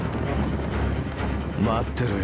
待ってろよ